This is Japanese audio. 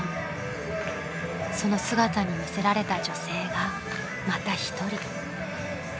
［その姿に魅せられた女性がまた一人］